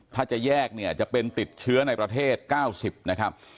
ถ้าจะแยกเนี่ยจะเป็นติดเชื้อในประเทศ๙๐นะครับ